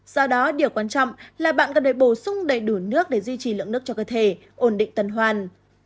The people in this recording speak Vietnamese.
do đó điều quan trọng là bạn cần phải bổ sung đầy đủ nước để duy trì lượng nước cho cơ thể ổn định tuần hoàn